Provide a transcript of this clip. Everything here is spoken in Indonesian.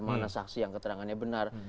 mana saksi yang keterangannya benar